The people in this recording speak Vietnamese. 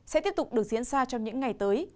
sẽ tiếp tục được diễn ra trong những ngày tới